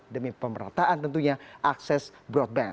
demi pemerataan tentunya akses broadband